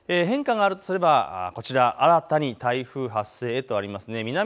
変化があるとすれば新たに台風発生へとあります。